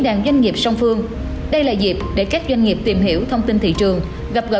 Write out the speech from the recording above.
đàn doanh nghiệp song phương đây là dịp để các doanh nghiệp tìm hiểu thông tin thị trường gặp gỡ